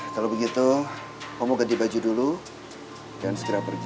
kalau begitu kamu ganti baju dulu dan segera pergi